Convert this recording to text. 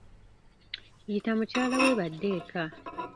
Yita mukyala we badde eka.